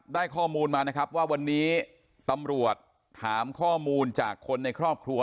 ได้ข้อมูลมานะครับว่าวันนี้ตำรวจถามข้อมูลจากคนในครอบครัว